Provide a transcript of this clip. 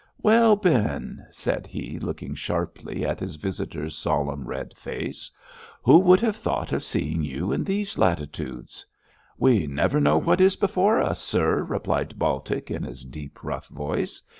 'Well, Ben!' said he, looking sharply at his visitor's solemn red face, 'who would have thought of seeing you in these latitudes?' 'We never know what is before us, sir,' replied Baltic, in his deep, rough voice.